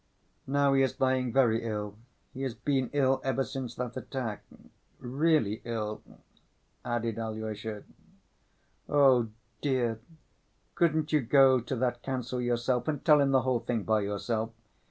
Now he is lying very ill. He has been ill ever since that attack. Really ill," added Alyosha. "Oh, dear! couldn't you go to that counsel yourself and tell him the whole thing by yourself?